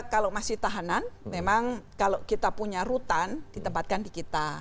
kalau masih tahanan memang kalau kita punya rutan ditempatkan di kita